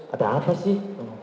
ada apa sih